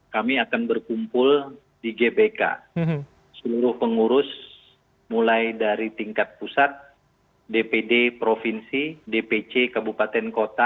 baik bang rifki